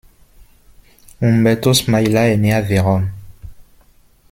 Umberto Smaila est né à Vérone.